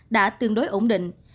đã tương đối ổn định